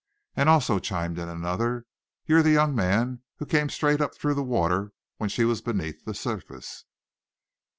"And also," chimed in another, "you're the young man who came straight up through the water when she was beneath the surface?"